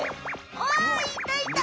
あいたいた！